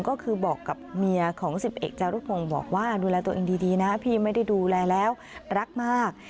ก็คือบอกกับเมียของ๑๑จารุพงศ์บอกว่าดูแลตัวเองดีนะพี่ไม่ได้ดูแลแล้วรักมาก